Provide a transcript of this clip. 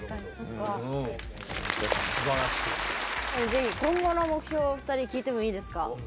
是非今後の目標を２人聞いてもいいですか？